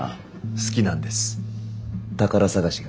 好きなんです宝探しが。